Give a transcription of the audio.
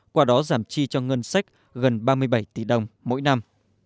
qua đó giảm chi cho ngân sách gần ba mươi bảy tỷ đồng mỗi năm